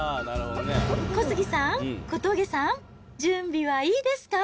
小杉さん、小峠さん、準備はいいですか？